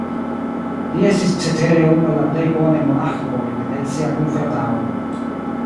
Li estis, cetere, unu el la plej bonaj monaĥoj el sia kunfrataro.